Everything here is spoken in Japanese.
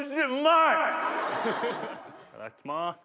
いただきます。